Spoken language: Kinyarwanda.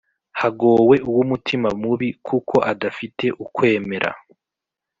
Hagowe uw’umutima mubi, kuko adafite ukwemera;